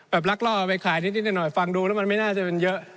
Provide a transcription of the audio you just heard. ลักล่อเอาไปขายนิดหน่อยฟังดูแล้วมันไม่น่าจะมันเยอะ